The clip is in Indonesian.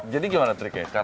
jadi gimana triknya